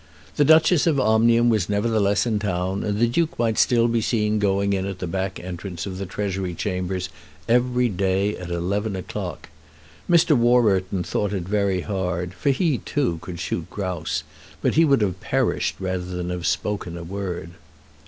The Duchess of Omnium was nevertheless in town, and the Duke might still be seen going in at the back entrance of the Treasury Chambers every day at eleven o'clock. Mr. Warburton thought it very hard, for he, too, could shoot grouse; but he would have perished rather than have spoken a word.